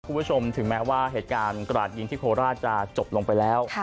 คุณผู้ชมถึงแม้ว่าเหตุการณ์กระดาษยิงที่โคราชจะจบลงไปแล้ว